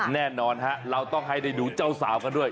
แน่นอนฮะเราต้องให้ได้ดูเจ้าสาวกันด้วย